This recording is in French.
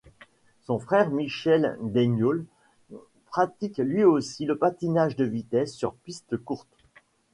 Son frère Michel Daignault pratique lui aussi le patinage de vitesse sur piste courte.